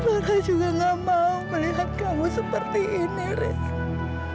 farah juga gak mau melihat kamu seperti ini riz